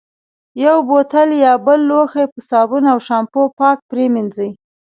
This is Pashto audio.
یو بوتل یا بل لوښی په صابون او شامپو پاک پرېمنځي.